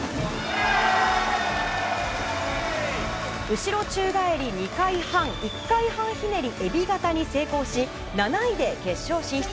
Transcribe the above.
後ろ宙返り２回半１回半ひねりえび型に成功し７位で決勝進出。